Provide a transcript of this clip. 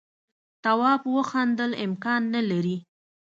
تواب وخندل امکان نه لري.